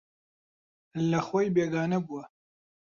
لەخۆی بێگانە بووە